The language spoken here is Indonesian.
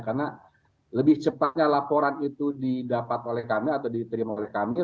karena lebih cepatnya laporan itu didapat oleh kami atau diterima oleh kami